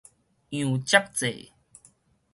熔接劑